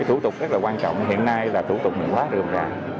thủ tục rất là quan trọng hiện nay là thủ tục mình quá rượm ràng